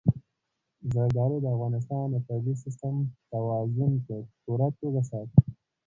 زردالو د افغانستان د طبعي سیسټم توازن په پوره توګه ساتي.